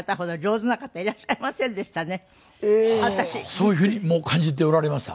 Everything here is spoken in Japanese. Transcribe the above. そういう風にもう感じておられました？